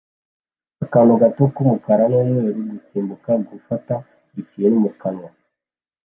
akantu gato k'umukara n'umweru gusimbuka gufata ikintu mu kanwa